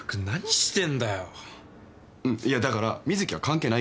いやだから瑞稀は関係ないから。